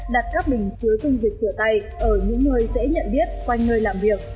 đặt các bình cứu dung dịch rửa tay ở những nơi dễ nhận biết quanh nơi làm việc